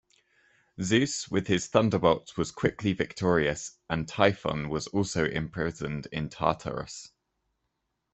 Zeus with his thunderbolts was quickly victorious, and Typhon was also imprisoned in Tartarus.